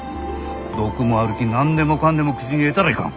毒もあるき何でもかんでも口に入れたらいかん。